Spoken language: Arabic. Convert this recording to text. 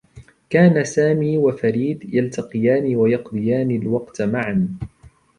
كانا سامي و فريد يلتقيان و يقضيان الوقت معا.